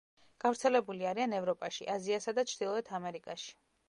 გავრცელებული არიან ევროპაში, აზიასა და ჩრდილოეთ ამერიკაში.